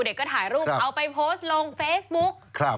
เด็กก็ถ่ายรูปเอาไปโพสต์ลงเฟซบุ๊ก